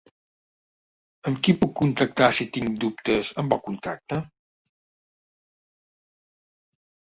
Amb qui puc contactar si tinc dubtes amb el contracte?